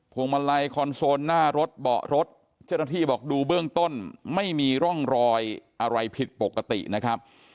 วงมาลัยคอนโซลหน้ารถเบาะรถเจ้าหน้าที่บอกดูเบื้องต้นไม่มีร่องรอยอะไรผิดปกตินะครับ